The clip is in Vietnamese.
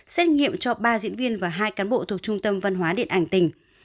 xét nghiệm cho ba diễn viên và hai cán bộ thuộc trung tâm văn hóa điện ảnh tỉnh